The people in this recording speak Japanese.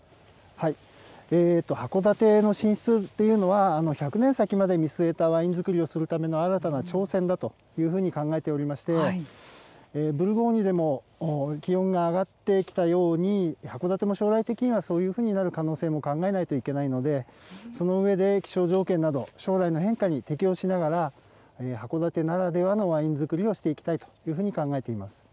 函館の進出っていうのは、１００年先まで見据えたワイン造りをするための新たな挑戦だというふうに考えておりまして、ブルゴーニュでも気温が上がってきたように、函館も将来的にはそういうふうになる可能性も考えないといけないので、その上で、気象条件など、将来の変化に適応しながら、函館ならではのワイン造りをしていきたいというふうに考えています。